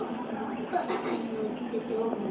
ああのどどうも。